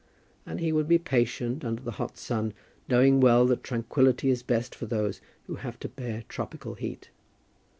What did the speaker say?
And he would be patient under the hot sun, knowing well that tranquillity is best for those who have to bear tropical heat.